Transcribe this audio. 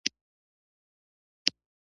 زه هم پاڅېدم، په لاس کې مې پنیر نیولي ول.